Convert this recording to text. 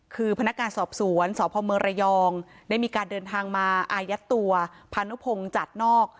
คือพนักการณ์สอบสวนสพระยองได้มีการเดินทางมาอายัดตัวพนภงจัดนอก